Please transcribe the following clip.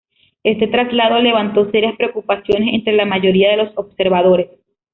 Este traslado levantó serias preocupaciones entre la mayoría de los observadores.